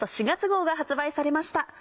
４月号が発売されました。